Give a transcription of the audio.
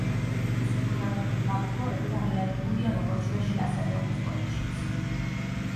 მისი ფუნდამენტური გამოკვლევები აღიარებულია როგორც ჩვენში ასევე უცხოეთშიც.